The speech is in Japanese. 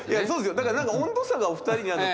だから何か温度差がお二人にある。